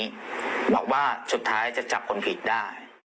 บอกว่าสุดท้ายจะจับคนผิดได้